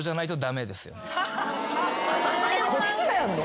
こっちがやんの？